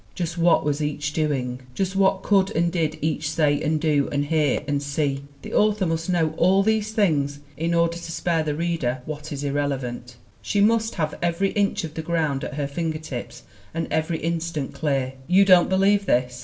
Just what was each doing? Just what could, and did, each say and do and hear and see? The author must know all these things in order to spare the reader what is 210 THE WOMEN WHO MAKE OUR NOVELS irrelevant. She must have every inch of the ground at her fingertips and every instant clear. You don't believe this?